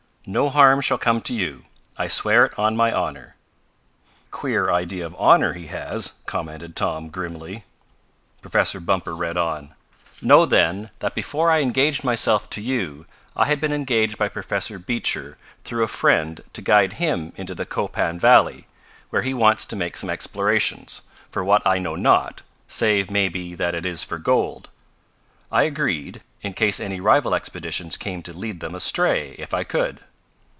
No harm shall come to you, I swear it on my honor!" "Queer idea of honor he has!" commented Tom, grimly. Professor Bumper read on: "Know then, that before I engaged myself to you I had been engaged by Professor Beecher through a friend to guide him into the Copan valley, where he wants to make some explorations, for what I know not, save maybe that it is for gold. I agreed, in case any rival expeditions came to lead them astray if I could.